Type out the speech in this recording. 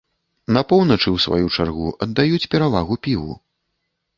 На поўначы, у сваю чаргу, аддаюць перавагу піву.